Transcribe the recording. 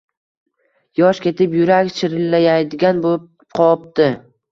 Yosh ketib, yurak shirillaydigan bo‘pqopti-